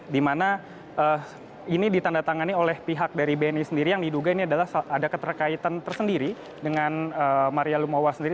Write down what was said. di mana ini ditandatangani oleh pihak dari bni sendiri yang diduga ini adalah ada keterkaitan tersendiri dengan maria lumawa sendiri